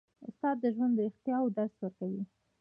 استاد د ژوند د رښتیاوو درس ورکوي.